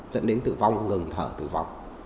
dẫn đến tử vong ngừng thở tử vong